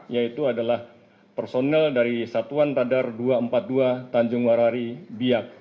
yaitu adalah personel dari satuan radar dua ratus empat puluh dua tanjung warari biak